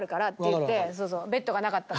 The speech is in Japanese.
ベッドがなかったから。